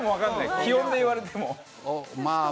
気温で言われても。